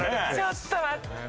ちょっと待って。